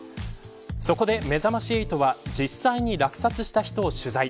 そこで、めざまし８は実際に落札した人を取材。